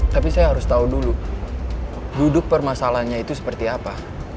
tapi saya harus tahu dulu duduk permasalahannya itu seperti apa